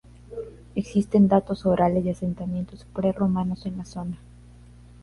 Existen datos orales de asentamientos prerromanos en la zona.